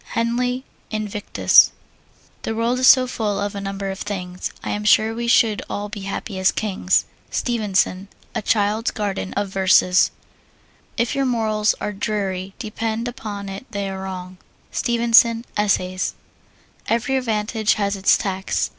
HENLEY, Invictus. The world is so full of a number of things, I am sure we should all be happy as kings. STEVENSON, A Child's Garden of Verses. If your morals are dreary, depend upon it they are wrong. STEVENSON, Essays. Every advantage has its tax.